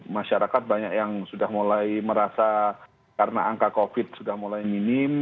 masyarakat banyak yang sudah mulai merasa karena angka covid sudah mulai minim